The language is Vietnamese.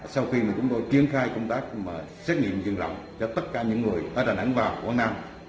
sau khi mà chúng tôi triển khai công tác xét nghiệm dân rộng cho tất cả những người ở đà nẵng và quảng nam